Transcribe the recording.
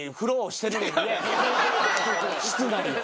室内を。